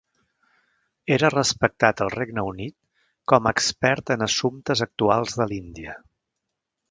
Era respectat al Regne Unit com a expert en assumptes actuals de l'Índia.